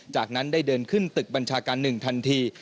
จากนั้นได้เดินขึ้นตึกบัญชาการ๑ทันที